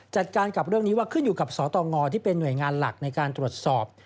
จัดการกับเรื่องนี้ว่าขึ้นอยู่กับสตงที่เป็นหน่วยงานหลักในการตรวจสอบ